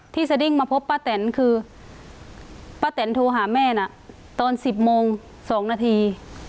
สดิ้งมาพบป้าแตนคือป้าแตนโทรหาแม่น่ะตอน๑๐โมง๒นาที